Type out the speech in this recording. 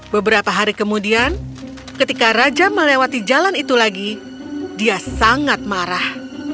beberapa hari kemudian ketika raja melewati jalan itu lagi dia sangat marah